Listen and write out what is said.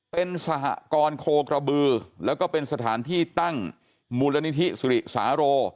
เป็นสหกรณ์โคกระบือแล้วก็เป็นสถานที่ตั้งมูลนิธิสุริสาโร